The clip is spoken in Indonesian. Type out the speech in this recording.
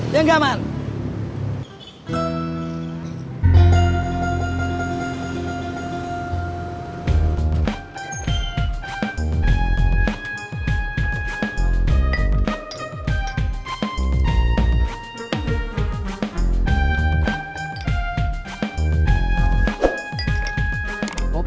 ya gak bang